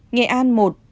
nghệ an một